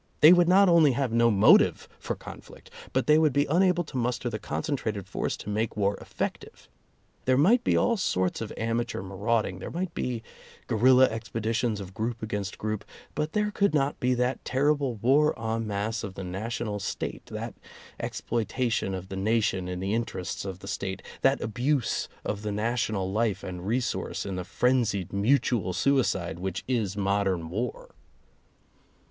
They would not only have no motive for conflict, but they would be unable to muster the concentrated force to make war effective. There might be all sorts of amateur marauding, there might be guerilla ex peditions of group against group, but there could not be that terrible war en masse of the national State, that exploitation of the nation in the in terests of the State, that abuse of the national life and resource in the frenzied mutual suicide, which is modern war.